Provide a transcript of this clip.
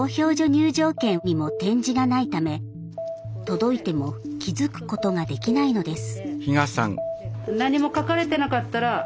入場券にも点字がないため届いても気付くことができないのです。